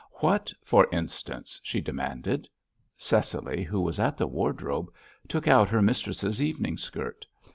"What, for instance?" she demanded. Cecily, who was at the wardrobe, took out her mistress's evening skirt.